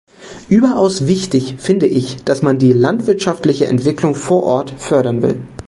Überaus wichtig finde ich, dass man die landwirtschaftliche Entwicklung vor Ort fördern will.